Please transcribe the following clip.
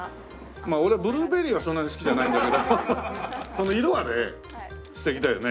まあ俺はブルーベリーはそんなに好きじゃないんだけどこの色はね素敵だよね。